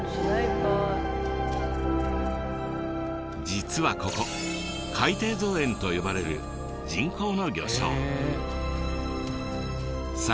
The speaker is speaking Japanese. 実はここ「海底造園」と呼ばれる人工の魚礁。